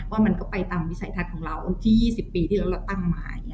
มันก็ไปตามวิสัยทัศน์ของเราที่๒๐ปีที่แล้วเราตั้งมา